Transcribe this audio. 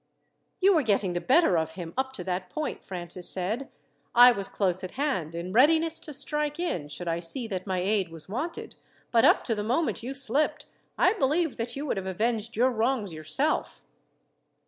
"You were getting the better of him up to that point," Francis said. "I was close at hand, in readiness to strike in should I see that my aid was wanted, but up to the moment you slipped, I believed that you would have avenged your wrongs yourself."